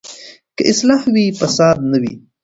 که اصلاح وي، فساد نه وي.